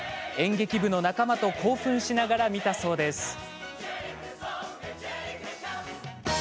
演劇部の仲間と興奮しながら見たそうです。